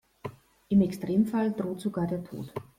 Im Extremfall droht sogar der Tod.